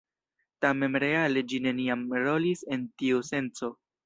Tamen reale ĝi neniam rolis en tiu senco.